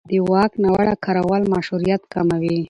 د واک ناوړه کارول مشروعیت کموي